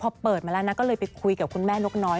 พอเปิดมาแล้วนะก็เลยไปคุยกับคุณแม่นกน้อย